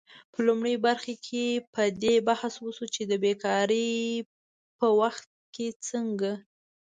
په لومړۍ برخه کې په دې بحث وشو چې د بیکارۍ په وخت څنګه